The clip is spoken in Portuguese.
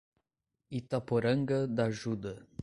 Itaporanga d'Ajuda